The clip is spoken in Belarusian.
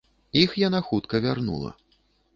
Іх яна хутка вярнула.